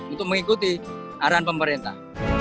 untuk mengikuti arahan pemerintah